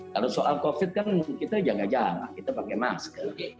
kalau soal covid kan kita jaga jarak kita pakai masker